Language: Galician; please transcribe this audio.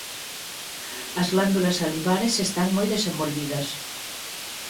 As glándulas salivares están moi desenvolvidas.